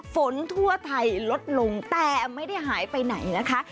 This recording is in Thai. ฝนทั่วไทยลดลงแต่ไม่ได้หายไปไหนนะคะ